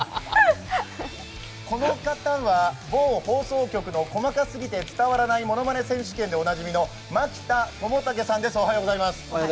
この方は、某放送局の「細かすぎて伝わらないモノマネ選手権」でおなじみの牧田知丈さんです、おはようございます。